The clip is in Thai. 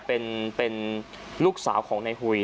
เป็นลูกสาวของในหุย